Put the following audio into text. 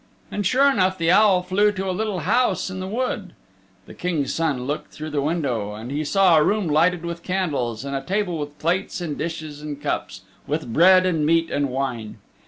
And sure enough the owl flew to a little house in the wood. The King's Son looked through the window and he saw a room lighted with candles and a table with plates and dishes and cups, with bread and meat and wine.